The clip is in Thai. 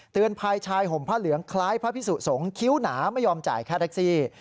ภายชายห่มผ้าเหลืองคล้ายพระพิสุสงฆ์คิ้วหนาไม่ยอมจ่ายแค่แท็กซี่